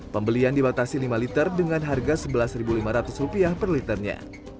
pembelian dibatasi lima liter dengan harga rp sebelas lima ratus per liternya